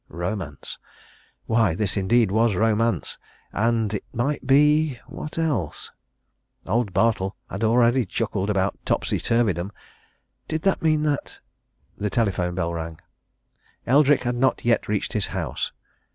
Romance! Why, this indeed was romance; and it might be what else? Old Bartle had already chuckled about topsy turvydom: did that mean that The telephone bell rang: Eldrick had not yet reached his house.